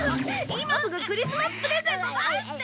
今すぐクリスマスプレゼント出して！